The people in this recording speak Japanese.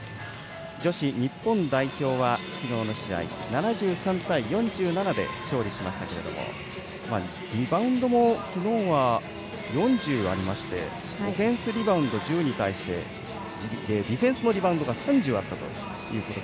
女子日本代表は昨日の試合、７３対４７で勝利しましたけれどもリバウンドも昨日は４０ありましてオフェンスリバウンド１０に対してディフェンスのリバウンドが３０あったということで。